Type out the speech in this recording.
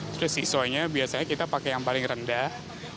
terus siswanya biasanya kita pakai yang paling rendah